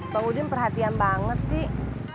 pak udin perhatian banget sih